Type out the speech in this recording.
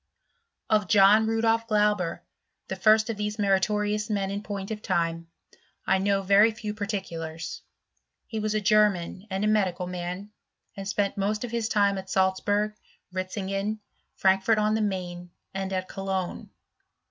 y Of John Rudolf Glauber, the first of these torious men in point of time, I know very few part lars. He was a German and a medical man, spent most of his time at Salzburg, Ritzingen, Fi fort on the Maine, and at Cologne.